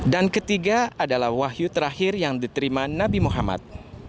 dan ketiga adalah wahyu terakhir yang diterima nabi muhammad